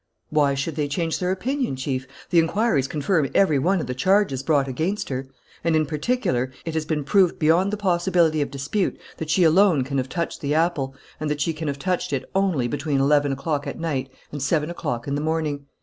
"Why should they change their opinion, Chief? The inquiries confirm every one of the charges brought against her; and, in particular, it has been proved beyond the possibility of dispute that she alone can have touched the apple and that she can have touched it only between eleven o'clock at night and seven o'clock in the morning.